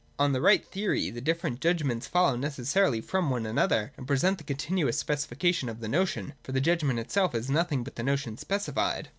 On the right theory, the different judg ments follow necessarily from one another, and present the continuous specification of the notion ; for the judg ment itself is nothing but the notion specified.